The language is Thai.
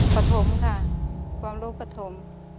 ประถมค่ะความรู้ประถม